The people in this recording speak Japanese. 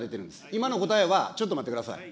今の答えは、ちょっと待ってください。